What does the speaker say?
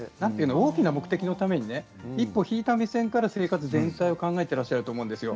大きな目的のために一歩引いた目線から生活全体を考えていらっしゃると思うんです。